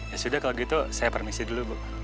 ya sudah kalau gitu saya permisi dulu bu